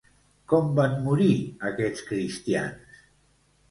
Com van morir aquests cristians?